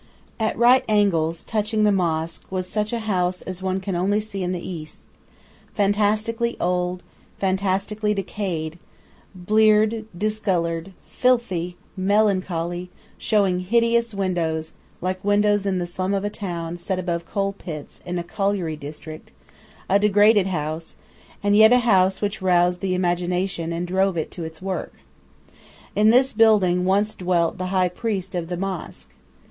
At right angles, touching the mosque, was such a house as one can see only in the East fantastically old, fantastically decayed, bleared, discolored, filthy, melancholy, showing hideous windows, like windows in the slum of a town set above coal pits in a colliery district, a degraded house, and yet a house which roused the imagination and drove it to its work. In this building once dwelt the High Priest of the mosque.